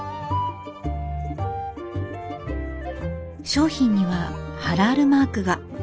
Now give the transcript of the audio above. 商品にはハラールマークが。